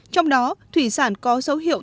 trong đó thủy sản có dấu hiệu